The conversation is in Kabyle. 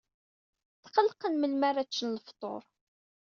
Tqellqen melmi ara ččen lefṭur.